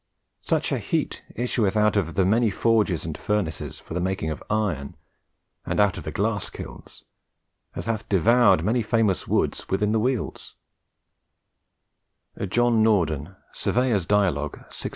Such a heate issueth out of the many forges and furnaces for the making of iron, and out of the glasse kilnes, as hath devoured many famous woods within the welds," JOHN NORDEN, Surveyors' Dialogue (1607).